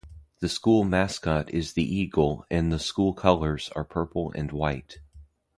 The school mascot is the Eagle and the school colors are purple and white.